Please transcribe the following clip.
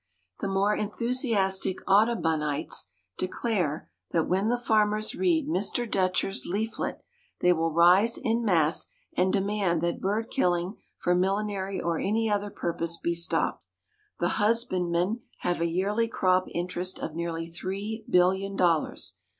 The more enthusiastic Audubonites declare that when the farmers read Mr. Dutcher's leaflet they will rise in mass and demand that bird killing for millinery or any other purpose be stopped. The husbandmen have a yearly crop interest of nearly three billion dollars.